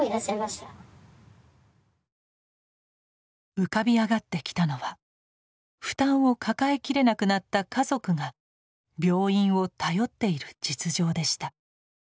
浮かび上がってきたのは負担を抱えきれなくなった家族が病院を頼っている実情でした。